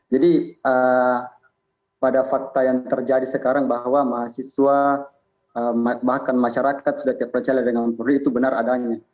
jadi pada fakta yang terjadi sekarang bahwa mahasiswa bahkan masyarakat sudah terpercaya dengan polisi itu benar adanya